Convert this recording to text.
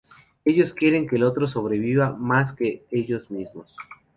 Ellos quieren que el otro sobreviva más que ellos mismos".